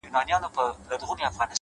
په مخه دي د اور ګلونه،